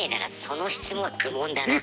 その質問は愚問だな。